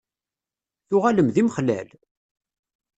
Tuɣalem d imexlal?